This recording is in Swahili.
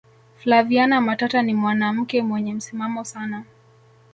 flaviana matata ni mwanamke mwenye msimamo sana